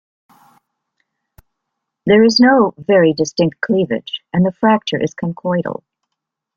There is no very distinct cleavage and the fracture is conchoidal.